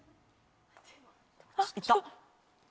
いった。